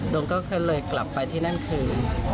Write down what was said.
มก็เลยกลับไปที่นั่นคืน